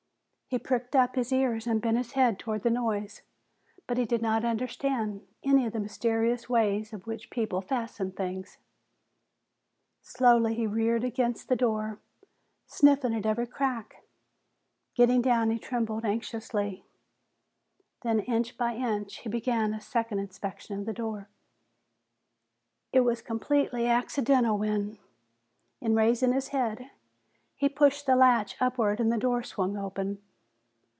He pricked up his ears and bent his head toward the noise, but he did not understand any of the mysterious ways by which people fastened things. Softly he reared against the door, sniffing at every crack. Getting down, he trembled anxiously. Then, inch by inch, he began a second inspection of the door. It was completely accidental when, in raising his head, he pushed the latch upward and the door swung open.